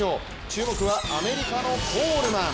注目は、アメリカのコールマン。